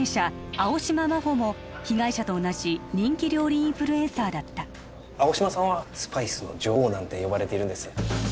青嶌麻帆も被害者と同じ人気料理インフルエンサーだった青嶌さんはスパイスの女王なんて呼ばれているんです